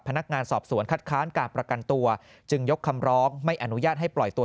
พนักงานสอบสวนคัดค้านการประกันตัวจึงยกคำร้องไม่อนุญาตให้ปล่อยตัว